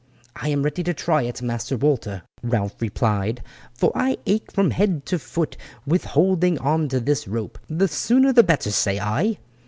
"I am ready to try it, Master Walter," Ralph replied, "for I ache from head to foot with holding on to this rope. The sooner the better, say I."